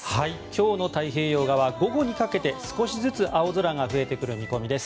今日の太平洋側午後にかけて少しずつ青空が増えてくる見込みです。